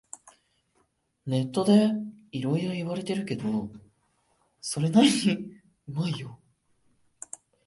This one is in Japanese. ネットでいろいろ言われてるけど、それなりにうまいよ